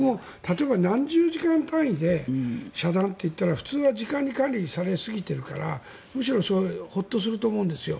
何十時間単位で遮断といったら、普通は時間に管理されすぎているからむしろホッとすると思うんですよ。